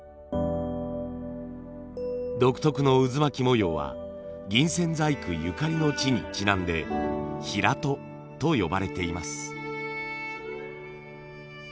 独特の渦巻き模様は銀線細工ゆかりの地にちなんでヒラトと呼ばれています。